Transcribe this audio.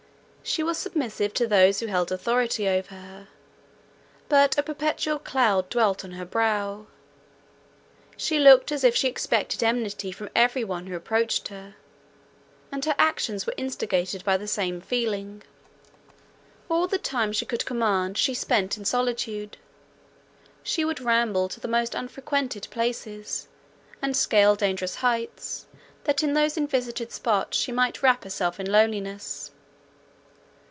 She was submissive to those who held authority over her, but a perpetual cloud dwelt on her brow; she looked as if she expected enmity from every one who approached her, and her actions were instigated by the same feeling. All the time she could command she spent in solitude. She would ramble to the most unfrequented places, and scale dangerous heights, that in those unvisited spots she might wrap herself in loneliness.